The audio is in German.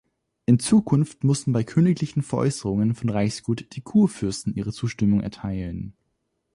In Zukunft mussten bei königlichen Veräußerungen von Reichsgut die Kurfürsten ihre Zustimmung erteilen.